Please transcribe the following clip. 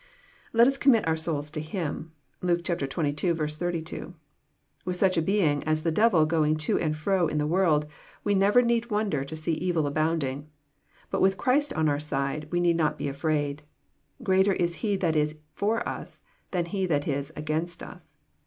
Let us commit our souls to Him. (Luke xxii. 32.) With such a being as the devil going to and fro in the world, we never need wonder to see evil abound ing. But with Christ on our side, we need not be afraid. Greater is He that is for us than he that is against us.